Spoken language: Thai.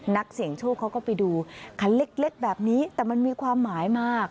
นักเสี่ยงโชคเขาก็ไปดูคันเล็กแบบนี้แต่มันมีความหมายมาก